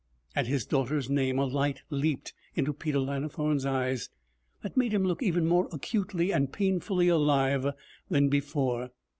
At his daughter's name a light leaped into Peter Lannithorne's eyes that made him look even more acutely and painfully alive than before.